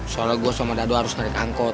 soalnya gue sama dadu harus naik angkot